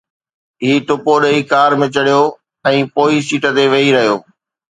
هو ٽپو ڏئي ڪار ۾ چڙهيو ۽ پوئين سيٽ تي ويهي رهيو